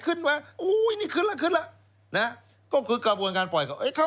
ขึ้นวะอู้นี่ขึ้นแล้วคืนอะไรก็คือกระบวนการปล่อยเขา